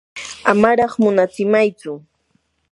amaraq munatsimaychu.